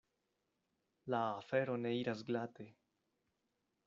La afero ne iras glate.